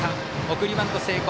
送りバント成功。